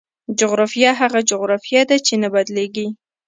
جغرافیه هغه جغرافیه ده چې نه بدلېږي.